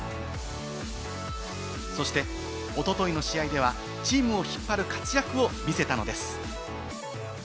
そしておとといの試合では、チームを引っ張る活躍を見せたのです。